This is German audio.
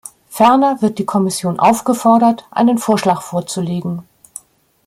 Ferner wird die Kommission aufgefordert, einen Vorschlag vorzulegen.